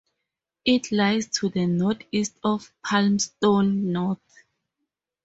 It lies to the northeast of Palmerston North.